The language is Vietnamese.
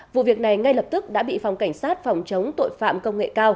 vụ việc này ngay lập tức đã bị phòng cảnh sát phòng chống tội phạm công nghệ cao